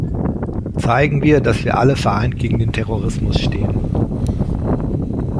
Zeigen wir, dass wir alle vereint gegen den Terrorismus stehen.